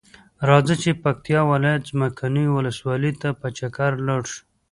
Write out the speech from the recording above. راځۀ چې پکتیا ولایت څمکنیو ولسوالۍ ته په چکر لاړشو.